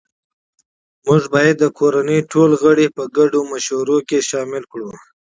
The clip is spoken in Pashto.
موږ باید د کورنۍ ټول غړي په ګډو پریکړو شامل کړو